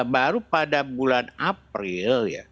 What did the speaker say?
baru pada bulan april ya